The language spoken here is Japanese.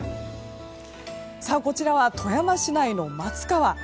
こちらは富山市内の松川。